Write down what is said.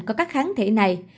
có các kháng thể này